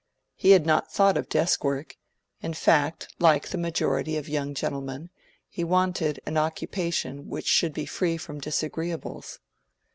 He had not thought of desk work—in fact, like the majority of young gentlemen, he wanted an occupation which should be free from disagreeables.